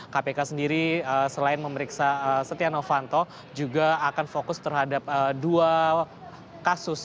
kpk sendiri selain memeriksa setia novanto juga akan fokus terhadap dua kasus